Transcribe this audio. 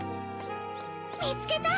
みつけた！